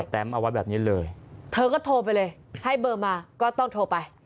เนี่ยประแต้มเอาว่าแบบนี้เลยเธอก็โทรไปเลยให้เบอร์มาก็ต้องโทรไป